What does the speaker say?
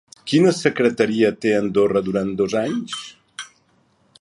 Quina secretaria té Andorra durant dos anys?